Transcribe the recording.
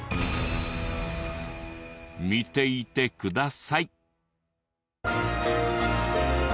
見ていてください。